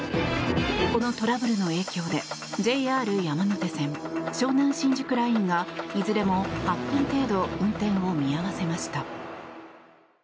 このトラブルの影響でＪＲ山手線、湘南新宿ラインがいずれも８分程度運転を見合わせました。